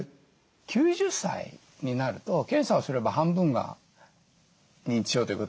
９０歳になると検査をすれば半分が認知症ということになってしまうわけですよ。